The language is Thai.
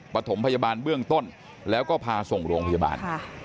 ประถมพยาบาลเบื้องต้นแล้วก็พาส่งโรงพยาบาล